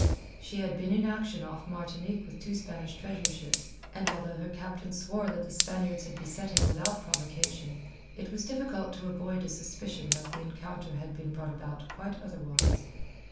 She had been in action off Martinique with two Spanish treasure ships, and although her captain swore that the Spaniards had beset him without provocation, it is difficult to avoid a suspicion that the encounter had been brought about quite otherwise.